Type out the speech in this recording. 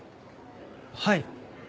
はい。